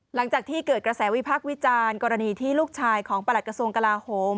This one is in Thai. หลังจากที่เกิดกระแสวิพักษ์วิจารณ์กรณีที่ลูกชายของประหลัดกระทรวงกลาโหม